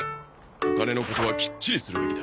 お金のことはきっちりするべきだ。